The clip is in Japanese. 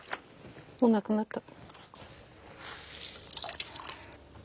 もうなくなった。